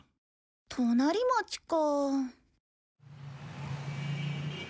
隣町かあ。